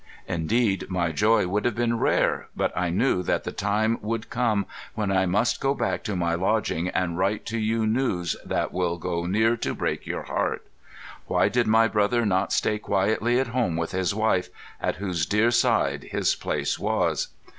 Indeed, my joy would have been rare, but I knew that the time would come when I must go back to my lodging and write to you news that will go near to break your heart. Why did my brother not stay quietly at home with his wife, at whose deare side his place was?